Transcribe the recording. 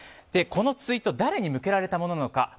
このツイート誰に向けられたものなのか。